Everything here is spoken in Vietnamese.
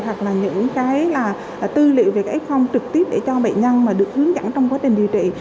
hoặc là những cái tư liệu về cái f trực tiếp để cho bệnh nhân mà được hướng dẫn trong quá trình điều trị